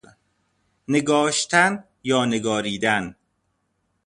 نگاشتن یا نگاریدن